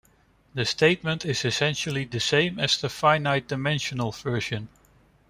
The statement is essentially the same as the finite-dimensional version.